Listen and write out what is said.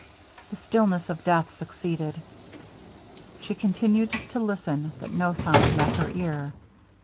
The stillness of death succeeded. She continued to listen; but no sound met her ear.